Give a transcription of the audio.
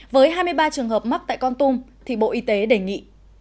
với hai mươi ba trường hợp mắc tại con tum thì bộ y tế đề nghị